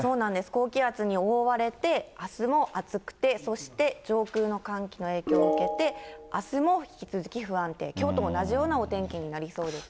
高気圧に覆われて、あすも暑くて、そして上空の寒気の影響を受けて、あすも引き続き不安定、きょうと同じようなお天気になりそうですね。